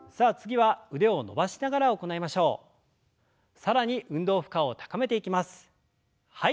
はい。